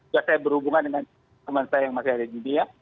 ya saya berhubungan dengan teman saya yang masih ada di dunia